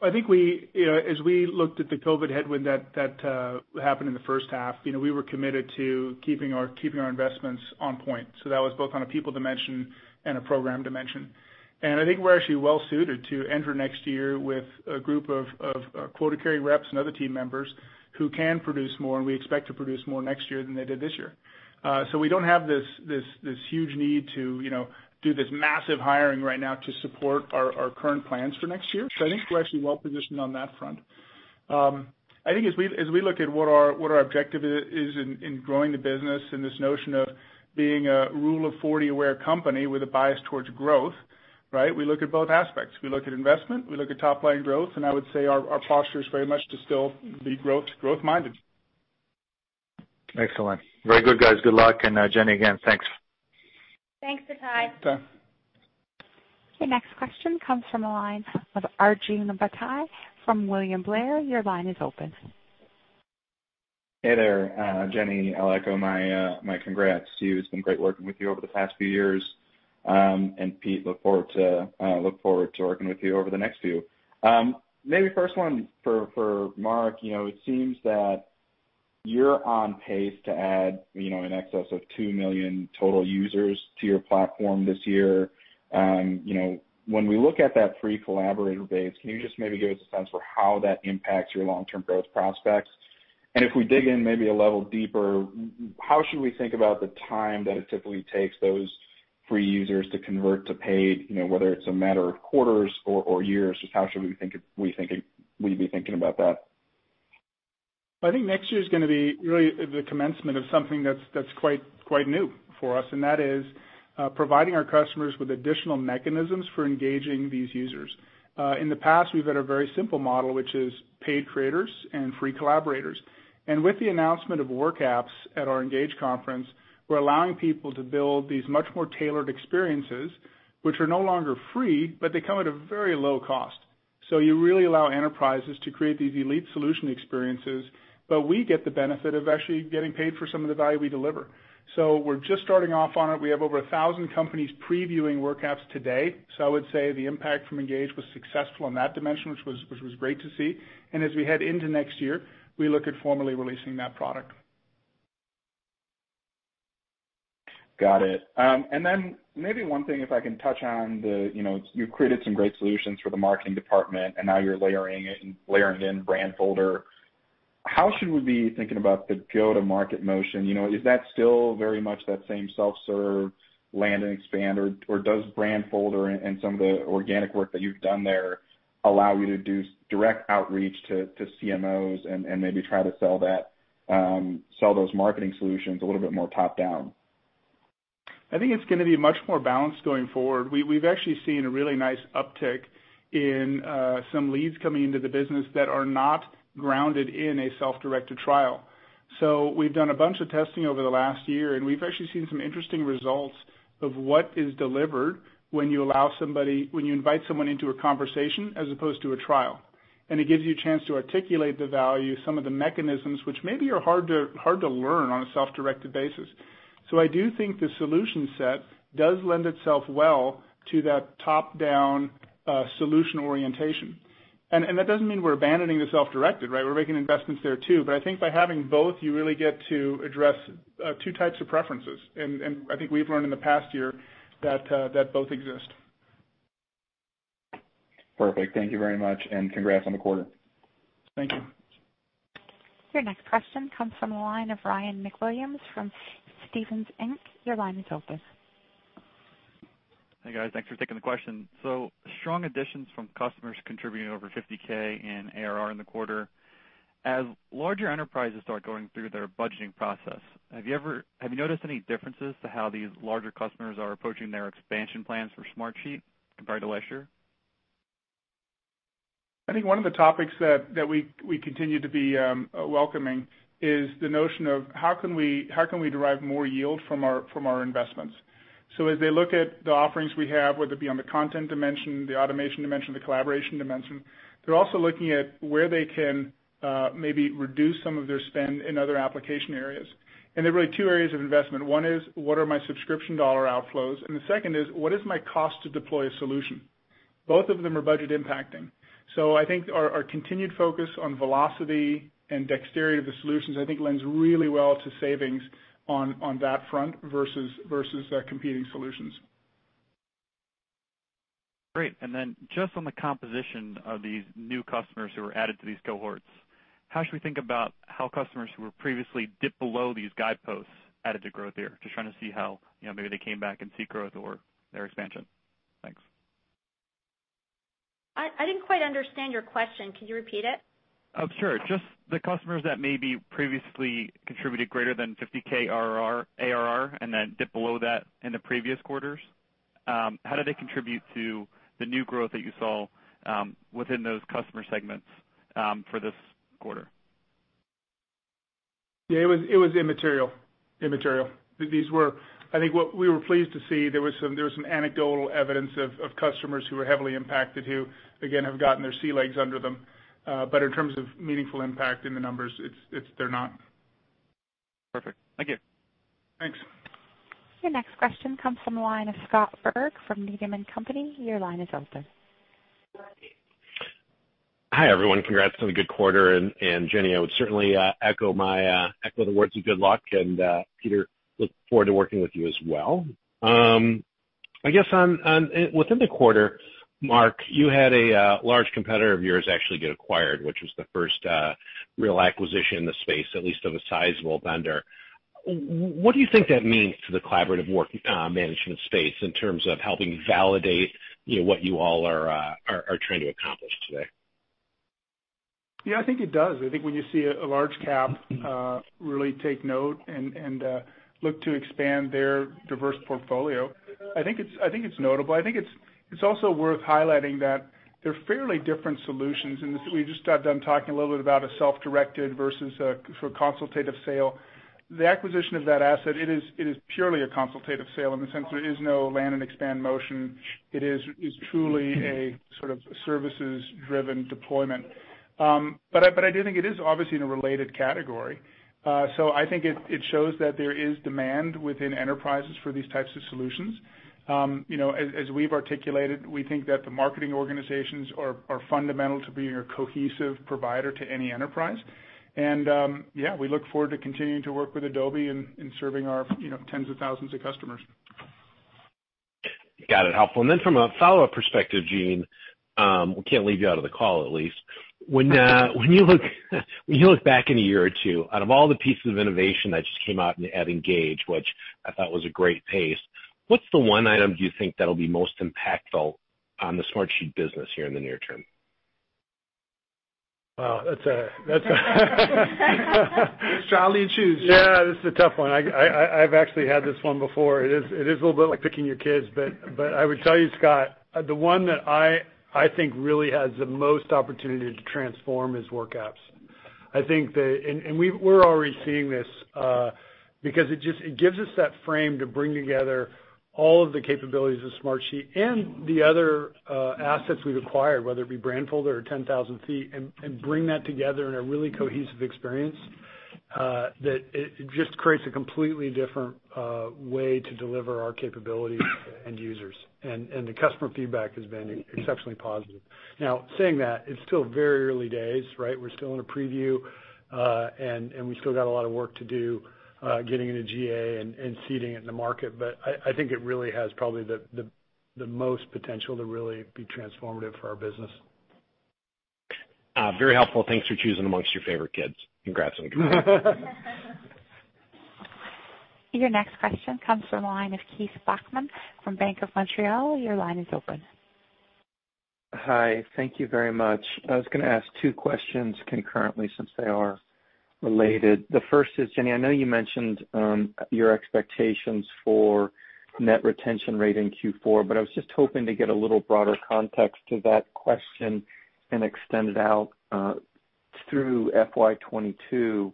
I think as we looked at the COVID headwind that happened in the first half, we were committed to keeping our investments on point. That was both on a people dimension and a program dimension. I think we're actually well-suited to enter next year with a group of quota-carrying reps and other team members who can produce more, and we expect to produce more next year than they did this year. We don't have this huge need to do this massive hiring right now to support our current plans for next year. I think we're actually well-positioned on that front. I think as we look at what our objective is in growing the business and this notion of being a Rule of 40-aware company with a bias towards growth, right? We look at both aspects. We look at investment, we look at top-line growth, and I would say our posture is very much to still be growth-minded. Excellent. Very good, guys. Good luck, and Jenny, again, thanks. Thanks, Ittai. Thanks. The next question comes from the line of Arjun Bhatia from William Blair. Your line is open. Hey there, Jenny. I'll echo my congrats to you. It's been great working with you over the past few years. Pete, look forward to working with you over the next few. Maybe first one for Mark. It seems that you're on pace to add in excess of 2 million total users to your platform this year. When we look at that free collaborator base, can you just maybe give us a sense for how that impacts your long-term growth prospects? If we dig in maybe a level deeper, how should we think about the time that it typically takes those free users to convert to paid, whether it's a matter of quarters or years, just how should we be thinking about that? I think next year's going to be really the commencement of something that's quite new for us, and that is, providing our customers with additional mechanisms for engaging these users. In the past, we've had a very simple model, which is paid creators and free collaborators. With the announcement of WorkApps at our ENGAGE conference, we're allowing people to build these much more tailored experiences, which are no longer free, but they come at a very low cost. You really allow enterprises to create these elite solution experiences, but we get the benefit of actually getting paid for some of the value we deliver. We're just starting off on it. We have over 1,000 companies previewing WorkApps today. I would say the impact from ENGAGE was successful in that dimension, which was great to see. As we head into next year, we look at formally releasing that product. Got it. Maybe one thing if I can touch on the, you've created some great solutions for the marketing department, and now you're layering in Brandfolder. How should we be thinking about the go-to-market motion? Is that still very much that same self-serve land and expand, or does Brandfolder and some of the organic work that you've done there allow you to do direct outreach to CMOs and maybe try to sell those marketing solutions a little bit more top-down? I think it's going to be much more balanced going forward. We've actually seen a really nice uptick in some leads coming into the business that are not grounded in a self-directed trial. We've done a bunch of testing over the last year, and we've actually seen some interesting results of what is delivered when you invite someone into a conversation as opposed to a trial. It gives you a chance to articulate the value, some of the mechanisms which maybe are hard to learn on a self-directed basis. I do think the solution set does lend itself well to that top-down solution orientation. That doesn't mean we're abandoning the self-directed, right? We're making investments there too. I think by having both, you really get to address two types of preferences. I think we've learned in the past year that both exist. Perfect. Thank you very much, and congrats on the quarter. Thank you. Your next question comes from the line of Ryan MacWilliams from Stephens Inc. Your line is open. Hey, guys. Thanks for taking the question. Strong additions from customers contributing over $50K in ARR in the quarter. As larger enterprises start going through their budgeting process, have you noticed any differences to how these larger customers are approaching their expansion plans for Smartsheet compared to last year? I think one of the topics that we continue to be welcoming is the notion of how can we derive more yield from our investments. As they look at the offerings we have, whether it be on the content dimension, the automation dimension, the collaboration dimension, they're also looking at where they can maybe reduce some of their spend in other application areas. There are really two areas of investment. One is, what are my subscription dollar outflows? The second is, what is my cost to deploy a solution? Both of them are budget impacting. I think our continued focus on velocity and dexterity of the solutions, I think lends really well to savings on that front versus competing solutions. Great. Just on the composition of these new customers who are added to these cohorts, how should we think about how customers who were previously dipped below these guideposts added to growth here? Just trying to see how maybe they came back and seek growth or their expansion. Thanks. I didn't quite understand your question. Could you repeat it? Sure. Just the customers that maybe previously contributed greater than 50,000 ARR and then dipped below that in the previous quarters. How do they contribute to the new growth that you saw within those customer segments for this quarter? Yeah, it was immaterial. I think what we were pleased to see, there was some anecdotal evidence of customers who were heavily impacted who, again, have gotten their sea legs under them. In terms of meaningful impact in the numbers, they're not. Perfect. Thank you. Thanks. Your next question comes from the line of Scott Berg from Needham & Company. Your line is open. Hi, everyone. Congrats on a good quarter, and Jenny, I would certainly echo the words of good luck, and Pete, look forward to working with you as well. I guess, within the quarter, Mark, you had a large competitor of yours actually get acquired, which was the first real acquisition in the space, at least of a sizable vendor. What do you think that means for the collaborative work management space in terms of helping validate what you all are trying to accomplish today? Yeah, I think it does. I think when you see a large cap really take note and look to expand their diverse portfolio, I think it's notable. I think it's also worth highlighting that they're fairly different solutions, and we just got done talking a little bit about a self-directed versus a consultative sale. The acquisition of that asset, it is purely a consultative sale in the sense there is no land and expand motion. It is truly a sort of services-driven deployment. I do think it is obviously in a related category. I think it shows that there is demand within enterprises for these types of solutions. As we've articulated, we think that the marketing organizations are fundamental to being a cohesive provider to any enterprise. Yeah, we look forward to continuing to work with Adobe and serving our tens of thousands of customers. Got it. Helpful. From a follow-up perspective, Gene, we can't leave you out of the call, at least. When you look back in a year or two, out of all the pieces of innovation that just came out at Engage, which I thought was a great pace, what's the one item do you think that'll be most impactful on the Smartsheet business here in the near term? Wow. It's trial you choose. Yeah, this is a tough one. I've actually had this one before. It is a little bit like picking your kids. I would tell you, Scott, the one that I think really has the most opportunity to transform is WorkApps. We're already seeing this, because it gives us that frame to bring together all of the capabilities of Smartsheet and the other assets we've acquired, whether it be Brandfolder or 10,000ft, and bring that together in a really cohesive experience, that it just creates a completely different way to deliver our capabilities to end users. The customer feedback has been exceptionally positive. Now, saying that, it's still very early days, right? We're still in a preview. We still got a lot of work to do getting into GA and seeding it in the market. I think it really has probably the most potential to really be transformative for our business. Very helpful. Thanks for choosing amongst your favorite kids. Congrats on the quarter. Your next question comes from the line of Keith Bachman from BMO Capital Markets. Your line is open. Hi. Thank you very much. I was going to ask two questions concurrently since they are related. The first is, Jenny, I know you mentioned your expectations for net retention rate in Q4, but I was just hoping to get a little broader context to that question and extend it out through FY 2022.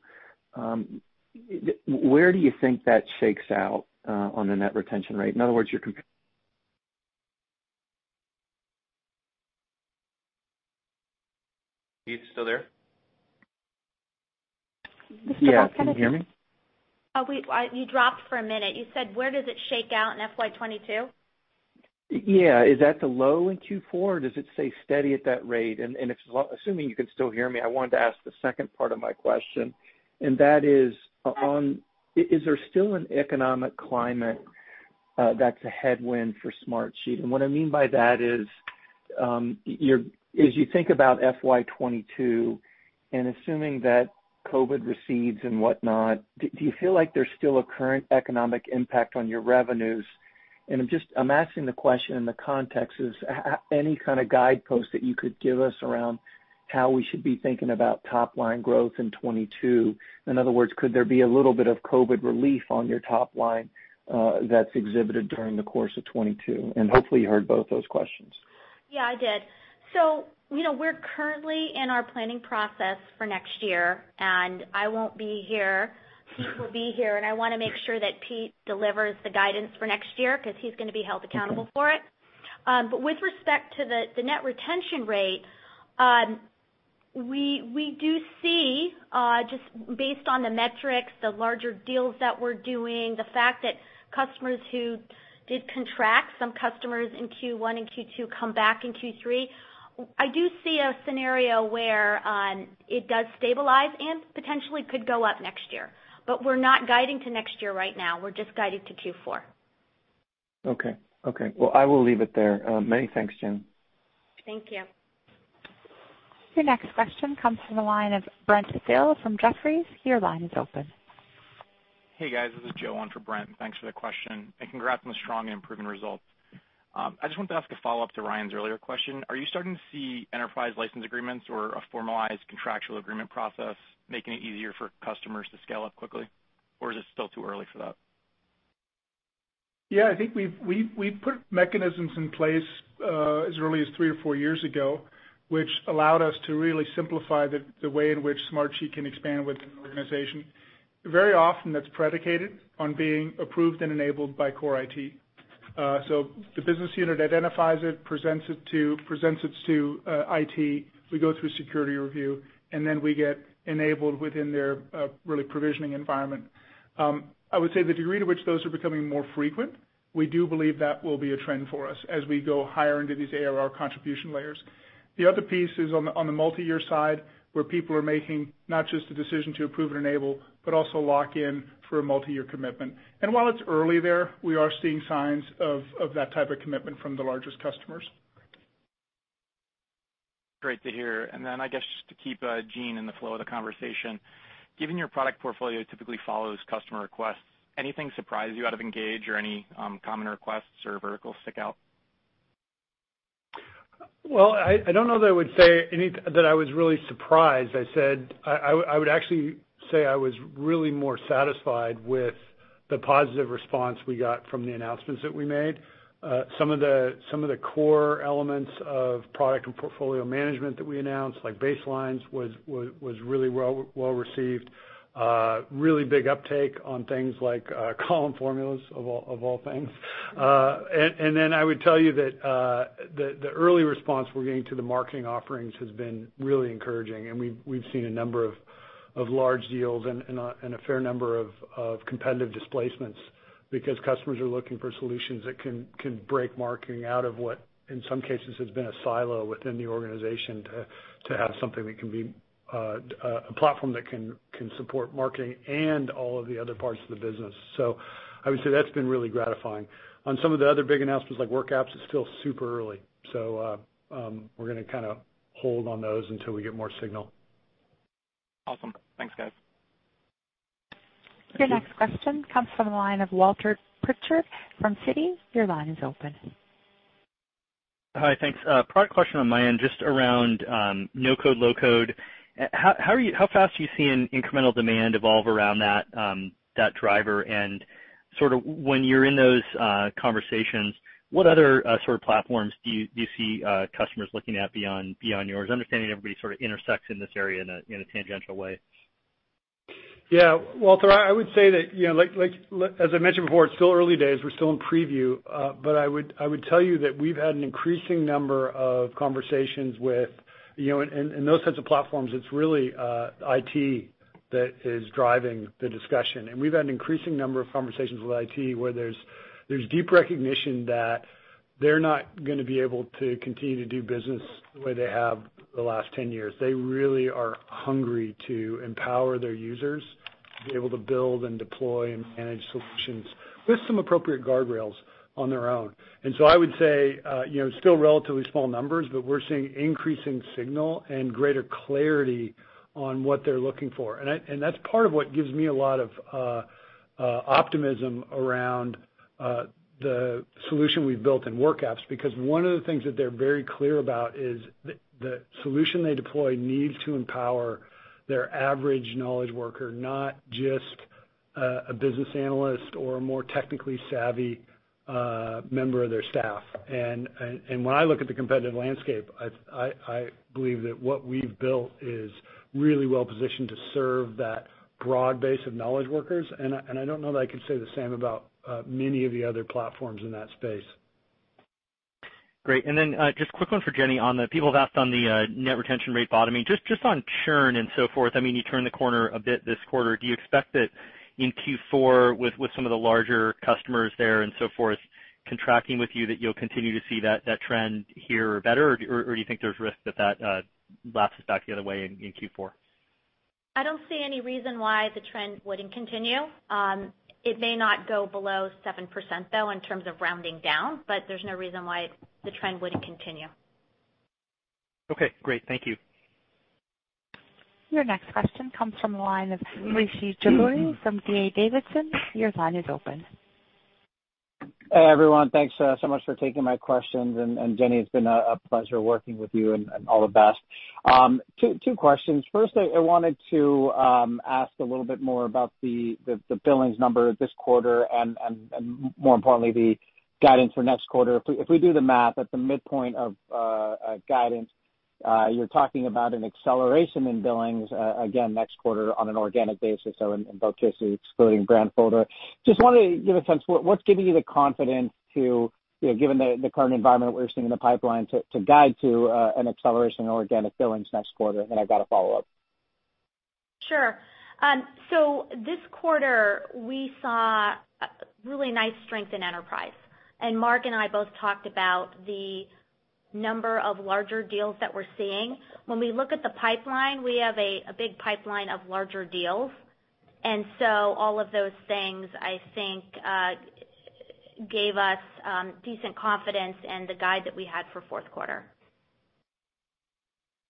Where do you think that shakes out on the net retention rate? In other words, your comp. Keith, still there? Yeah. Can you hear me? You dropped for a minute. You said, where does it shake out in FY 2022? Yeah. Is that the low in Q4, or does it stay steady at that rate? Assuming you can still hear me, I wanted to ask the second part of my question, and that is there still an economic climate that's a headwind for Smartsheet? What I mean by that is, as you think about FY 2022, and assuming that COVID recedes and whatnot, do you feel like there's still a current economic impact on your revenues? I'm asking the question in the context of any kind of guidepost that you could give us around how we should be thinking about top-line growth in 2022. In other words, could there be a little bit of COVID relief on your top line that's exhibited during the course of 2022? Hopefully you heard both those questions. Yeah, I did. We're currently in our planning process for next year, and I won't be here. Pete will be here, and I want to make sure that Pete delivers the guidance for next year because he's going to be held accountable for it. With respect to the net retention rate, we do see, just based on the metrics, the larger deals that we're doing, the fact that customers who did contract, some customers in Q1 and Q2 come back in Q3. I do see a scenario where it does stabilize and potentially could go up next year. We're not guiding to next year right now. We're just guiding to Q4. Okay. I will leave it there. Many thanks, Jen. Thank you. Your next question comes from the line of Brent Thill from Jefferies. Your line is open. Hey, guys. This is Joe on for Brent. Thanks for the question, and congrats on the strong and improving results. I just wanted to ask a follow-up to Ryan's earlier question. Are you starting to see enterprise license agreements or a formalized contractual agreement process making it easier for customers to scale up quickly? Is it still too early for that? Yeah, I think we've put mechanisms in place as early as three to four years ago, which allowed us to really simplify the way in which Smartsheet can expand within an organization. Very often, that's predicated on being approved and enabled by core IT. The business unit identifies it, presents it to IT, we go through security review, and then we get enabled within their provisioning environment. I would say the degree to which those are becoming more frequent, we do believe that will be a trend for us as we go higher into these ARR contribution layers. The other piece is on the multi-year side, where people are making not just a decision to approve and enable, but also lock in for a multi-year commitment. While it's early there, we are seeing signs of that type of commitment from the largest customers. Great to hear. I guess, just to keep Gene in the flow of the conversation. Given your product portfolio typically follows customer requests, anything surprise you out of ENGAGE or any common requests or verticals stick out? Well, I don't know that I would say that I was really surprised. I would actually say I was really more satisfied with the positive response we got from the announcements that we made. Some of the core elements of product and portfolio management that we announced, like baselines, was really well received. Really big uptake on things like column formulas, of all things. I would tell you that the early response we're getting to the marketing offerings has been really encouraging, and we've seen a number of large deals and a fair number of competitive displacements because customers are looking for solutions that can break marketing out of what in some cases has been a silo within the organization to have a platform that can support marketing and all of the other parts of the business. I would say that's been really gratifying. On some of the other big announcements like WorkApps, it's still super early. We're going to kind of hold on those until we get more signal. Awesome. Thanks, guys. Your next question comes from the line of Walter Pritchard from Citi. Your line is open. Hi, thanks. A product question on my end, just around no-code/low-code. How fast do you see an incremental demand evolve around that driver? Sort of when you're in those conversations, what other sort of platforms do you see customers looking at beyond yours? I'm understanding everybody sort of intersects in this area in a tangential way. Yeah. Walter, I would say that, as I mentioned before, it's still early days. We're still in preview. I would tell you that we've had an increasing number of conversations with, and those types of platforms, it's really IT that is driving the discussion. We've had an increasing number of conversations with IT where there's deep recognition that they're not going to be able to continue to do business the way they have the last 10 years. They really are hungry to empower their users to be able to build and deploy and manage solutions with some appropriate guardrails on their own. I would say, still relatively small numbers, but we're seeing increasing signal and greater clarity on what they're looking for. That's part of what gives me a lot of optimism around the solution we've built in WorkApps, because one of the things that they're very clear about is the solution they deploy needs to empower their average knowledge worker, not just a business analyst or a more technically savvy member of their staff. When I look at the competitive landscape, I believe that what we've built is really well-positioned to serve that broad base of knowledge workers, and I don't know that I can say the same about many of the other platforms in that space. Great. Just a quick one for Jenny. People have asked on the net retention rate bottoming, just on churn and so forth. You turned the corner a bit this quarter. Do you expect that in Q4 with some of the larger customers there and so forth contracting with you, that you'll continue to see that trend here better? Do you think there's risk that lapses back the other way in Q4? I don't see any reason why the trend wouldn't continue. It may not go below 7%, though, in terms of rounding down, but there's no reason why the trend wouldn't continue. Okay, great. Thank you. Your next question comes from the line of Rishi Jaluria from D.A. Davidson. Hey, everyone. Thanks so much for taking my questions. Jenny, it's been a pleasure working with you, and all the best. Two questions. Firstly, I wanted to ask a little bit more about the billings number this quarter and more importantly, the guidance for next quarter. If we do the math at the midpoint of guidance, you're talking about an acceleration in billings again next quarter on an organic basis. In both cases, excluding Brandfolder. Just wanted to get a sense, what's giving you the confidence to, given the current environment we're seeing in the pipeline, to guide to an acceleration in organic billings next quarter? I've got a follow-up. Sure. This quarter, we saw really nice strength in enterprise, and Mark and I both talked about the number of larger deals that we're seeing. When we look at the pipeline, we have a big pipeline of larger deals. All of those things, I think, gave us decent confidence in the guide that we had for fourth quarter.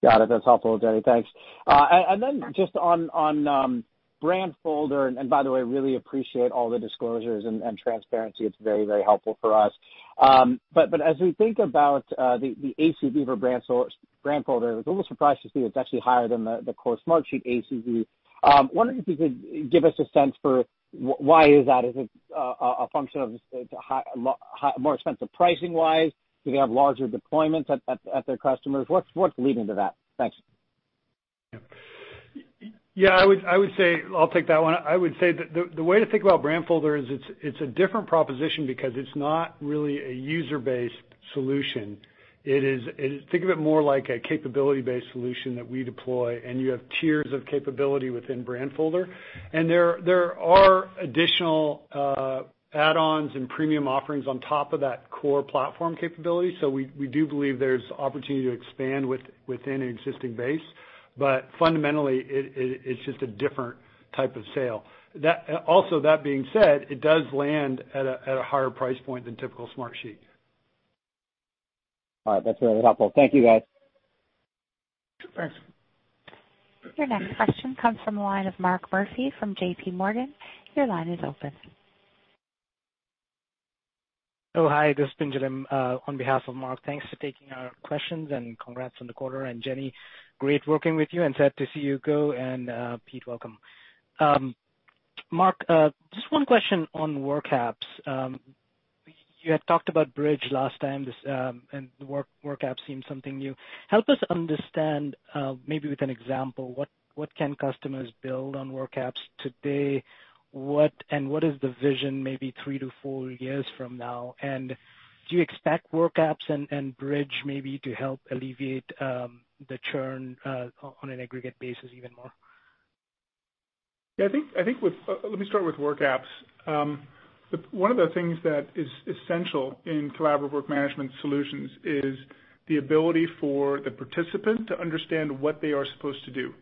Got it. That's helpful, Jen. Thanks. Then just on Brandfolder, and by the way, really appreciate all the disclosures and transparency. It's very helpful for us. As we think about the ACV for Brandfolder, I was a little surprised to see it's actually higher than the core Smartsheet ACV. Wondering if you could give us a sense for why is that? Is it a function of more expensive pricing-wise? Do they have larger deployments at their customers? What's leading to that? Thanks. Yeah, I'll take that one. I would say that the way to think about Brandfolder is it's a different proposition because it's not really a user-based solution. Think of it more like a capability-based solution that we deploy, and you have tiers of capability within Brandfolder. There are additional add-ons and premium offerings on top of that core platform capability. We do believe there's opportunity to expand within an existing base. Fundamentally, it's just a different type of sale. Also, that being said, it does land at a higher price point than typical Smartsheet. All right. That's really helpful. Thank you, guys. Thanks. Your next question comes from the line of Mark Murphy from JPMorgan. Your line is open. Oh, hi, this is Pinjalim, on behalf of Mark. Thanks for taking our questions and congrats on the quarter. Jenny, great working with you and sad to see you go. Pete, welcome. Mark, just one question on WorkApps. You had talked about Bridge last time, and the WorkApp seems something new. Help us understand, maybe with an example, what can customers build on WorkApps today, and what is the vision maybe three to four years from now? Do you expect WorkApps and Bridge maybe to help alleviate the churn on an aggregate basis even more? Yeah, let me start with WorkApps. One of the things that is essential in collaborative work management solutions is the ability for the participant to understand what they are supposed to do.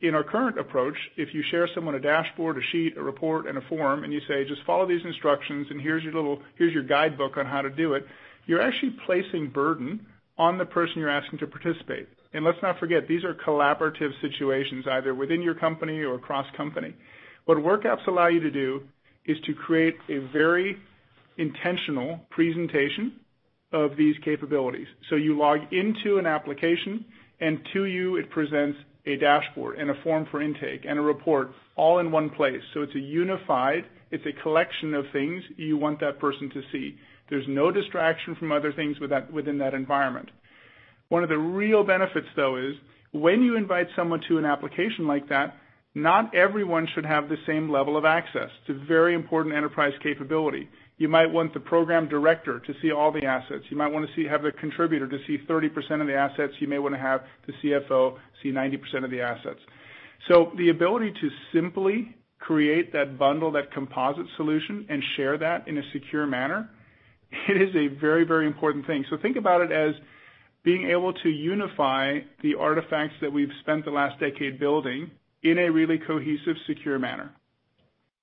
In our current approach, if you share someone a dashboard, a sheet, a report, and a form, and you say, "Just follow these instructions, and here's your guidebook on how to do it," you're actually placing burden on the person you're asking to participate. Let's not forget, these are collaborative situations, either within your company or across company. What Work Apps allow you to do is to create a very intentional presentation of these capabilities. You log into an application, and to you, it presents a dashboard and a form for intake and a report all in one place. It's a unified, it's a collection of things you want that person to see. There's no distraction from other things within that environment. One of the real benefits, though, is when you invite someone to an application like that, not everyone should have the same level of access. It's a very important enterprise capability. You might want the program director to see all the assets. You might want to have the contributor to see 30% of the assets. You may want to have the CFO see 90% of the assets. The ability to simply create that bundle, that composite solution, and share that in a secure manner, it is a very important thing. Think about it as being able to unify the artifacts that we've spent the last decade building in a really cohesive, secure manner.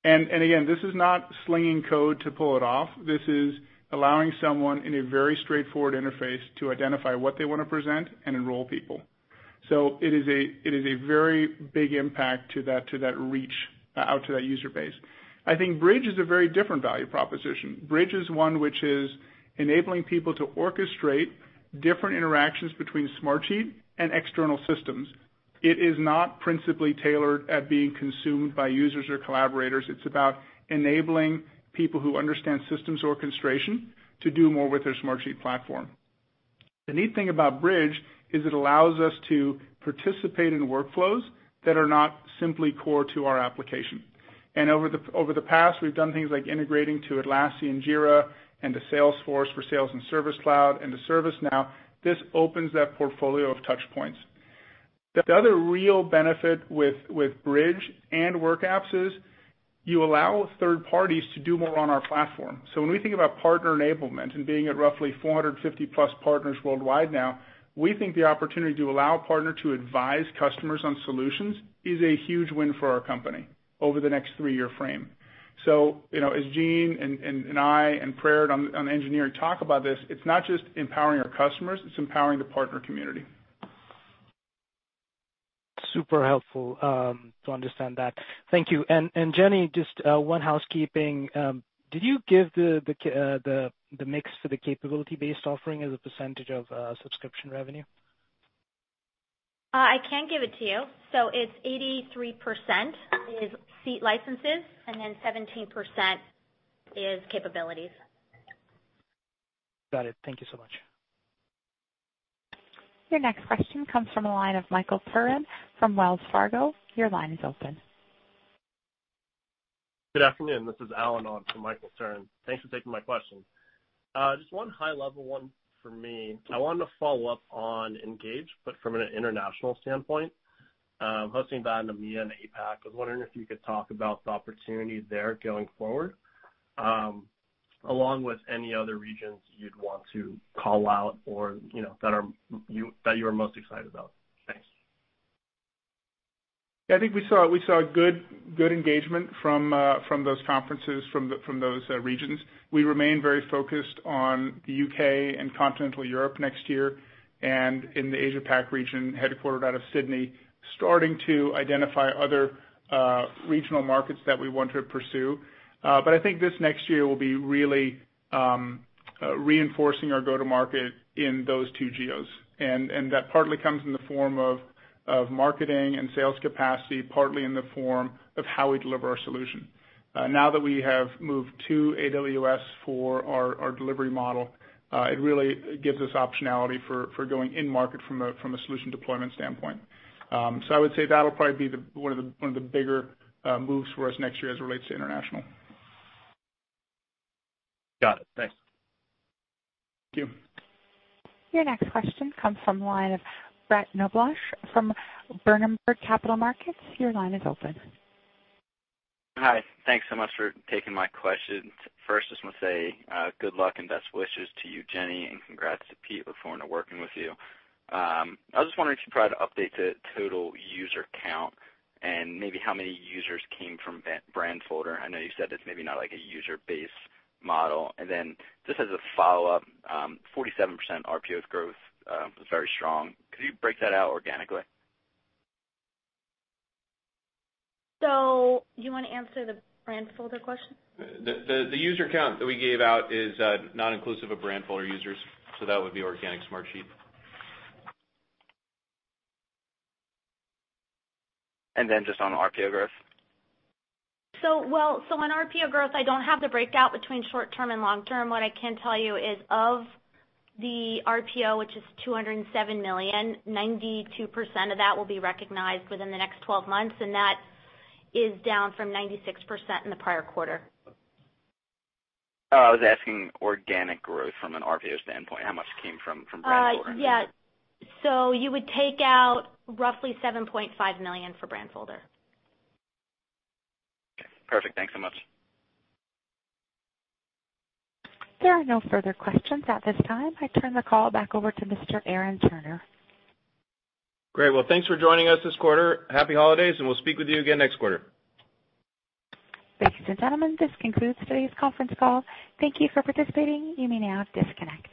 Again, this is not slinging code to pull it off. This is allowing someone in a very straightforward interface to identify what they want to present and enroll people. It is a very big impact to that reach out to that user base. I think Bridge is a very different value proposition. Bridge is one which is enabling people to orchestrate different interactions between Smartsheet and external systems. It is not principally tailored at being consumed by users or collaborators. It's about enabling people who understand systems orchestration to do more with their Smartsheet platform. The neat thing about Bridge is it allows us to participate in the workflows that are not simply core to our application. Over the past, we've done things like integrating to Atlassian Jira and to Salesforce for sales and service cloud and to ServiceNow. This opens that portfolio of touch points. The other real benefit with Bridge and WorkApps is you allow third parties to do more on our platform. When we think about partner enablement and being at roughly 450+ partners worldwide now, we think the opportunity to allow a partner to advise customers on solutions is a huge win for our company over the next three-year frame. As Gene and I and Praerit on engineering talk about this, it's not just empowering our customers, it's empowering the partner community. Super helpful to understand that. Thank you. Jenny, just one housekeeping, did you give the mix for the capability-based offering as a percentage of subscription revenue? I can give it to you. It's 83% is seat licenses and then 17% is capabilities. Got it. Thank you so much. Your next question comes from the line of Michael Turrin from Wells Fargo. Your line is open. Good afternoon. This is Alan on for Michael Turrin. Thanks for taking my questions. Just one high-level one for me. I wanted to follow up on ENGAGE from an international standpoint. Hosting that in EMEA and APAC, I was wondering if you could talk about the opportunity there going forward, along with any other regions you'd want to call out or that you are most excited about. Thanks. I think we saw good engagement from those conferences, from those regions. We remain very focused on the U.K. and Continental Europe next year, and in the Asia-Pac region, headquartered out of Sydney, starting to identify other regional markets that we want to pursue. I think this next year will be really reinforcing our go-to-market in those two geos. That partly comes in the form of marketing and sales capacity, partly in the form of how we deliver our solution. Now that we have moved to AWS for our delivery model, it really gives us optionality for going in-market from a solution deployment standpoint. I would say that'll probably be one of the bigger moves for us next year as it relates to international. Got it. Thanks. Thank you. Your next question comes from the line of Brett Knoblauch from Berenberg Capital Markets. Your line is open. Hi. Thanks so much for taking my questions. First, I just want to say good luck and best wishes to you, Jenny, and congrats to Pete, looking forward to working with you. I was just wondering if you can provide an update to total user count and maybe how many users came from Brandfolder. I know you said it's maybe not like a user base model. Then just as a follow-up, 47% RPO growth is very strong. Could you break that out organically? You want to answer the Brandfolder question? The user count that we gave out is not inclusive of Brandfolder users. That would be organic Smartsheet. Just on RPO growth. On RPO growth, I don't have the breakout between short-term and long-term. What I can tell you is of the RPO, which is $207 million, 92% of that will be recognized within the next 12 months, and that is down from 96% in the prior quarter. Oh, I was asking organic growth from an RPO standpoint, how much came from Brandfolder? Yeah. You would take out roughly $7.5 million for Brandfolder. Okay, perfect. Thanks so much. There are no further questions at this time. I turn the call back over to Mr. Aaron Turner. Great. Well, thanks for joining us this quarter. Happy holidays, and we'll speak with you again next quarter. Ladies and gentlemen, this concludes today's conference call. Thank you for participating. You may now disconnect.